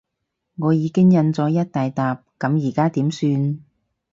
我已經印咗一大疊，噉而家點算？